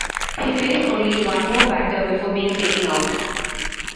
He faced only one more batter before being taken out.